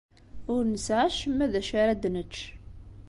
Ur nesɛi acemma d acu ara d-nečč.